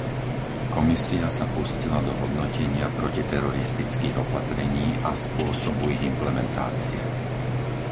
Komisia sa pustila do hodnotenia protiteroristických opatrení a spôsobu ich implementácie.